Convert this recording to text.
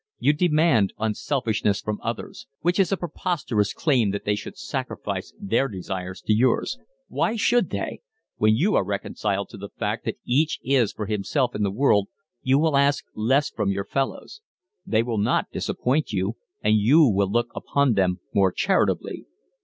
You demand unselfishness from others, which is a preposterous claim that they should sacrifice their desires to yours. Why should they? When you are reconciled to the fact that each is for himself in the world you will ask less from your fellows. They will not disappoint you, and you will look upon them more charitably.